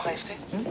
うん。